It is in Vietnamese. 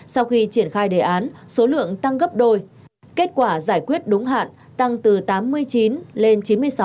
sau khi triển khai đề án số lượng tăng gấp đôi kết quả giải quyết đúng hạn tăng từ tám mươi chín lên chín mươi sáu